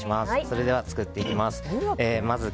それでは作っていきます。